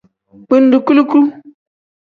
Bindi kuluku.